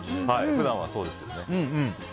普段はそうですよね。